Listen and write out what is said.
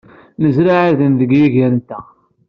Nezreɛ irden deg yiger-nteɣ.